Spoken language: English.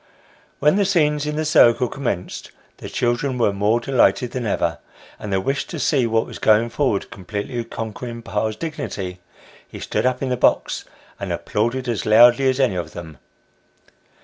When the scenes in the circle commenced, the children were more delighted than ever; and the wish to see what was going forward, completely conquering pa's dignity, he stood up in the box, and applauded as loudly as any of them.